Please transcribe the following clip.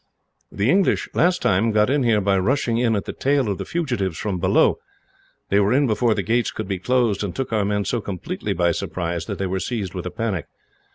"The English, last time, got in here by rushing in at the tail of the fugitives from below. They were in before the gates could be closed, and took our men so completely by surprise that they were seized with a panic.